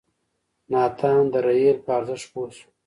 ناتان د رېل په ارزښت پوه شو.